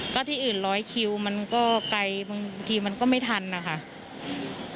ก็ที่อื่นร้อยคิวมันก็ไกลบางทีมันก็ไม่ทันนะคะ